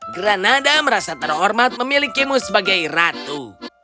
granada merasa terhormat memilikimu sebagai ratu